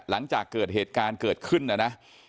หลังจากเกิดเหตุการณ์เกิดขึ้นนะนะ